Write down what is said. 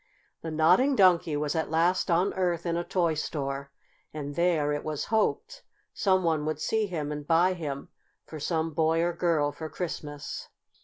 The Nodding Donkey was at last on Earth in a toy store, and there, it was hoped, some one would see him and buy him for some boy or girl for Christmas.